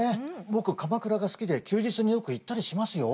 僕鎌倉が好きで休日によく行ったりしますよ。